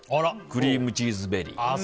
クリームチーズベリー。